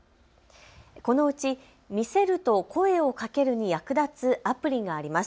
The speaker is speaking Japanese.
このうち、見せると声をかけるに役立つアプリがあります。